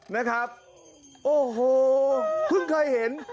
นะครับโอ้โหเพิ่งเคยเห็น